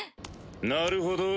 なるほど。